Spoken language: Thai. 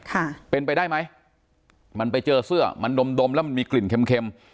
ค่ะเป็นไปได้ไหมมันไปเจอเสื้อมันดมดมแล้วมันมีกลิ่นเค็มเค็ม